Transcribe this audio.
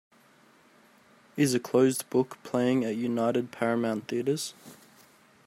Is A Closed Book playing at United Paramount Theatres